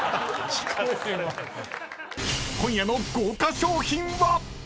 ［今夜の豪華賞品は⁉］